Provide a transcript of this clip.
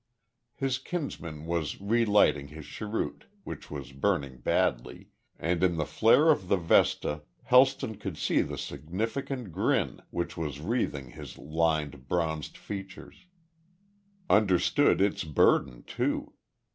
His kinsman was relighting his cheroot, which was burning badly, and in the flare of the vesta Helston could see the significant grin which was wreathing his lined, bronzed features; understood its burden too.